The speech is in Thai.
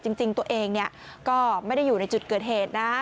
จริงตัวเองก็ไม่ได้อยู่ในจุดเกิดเหตุนะ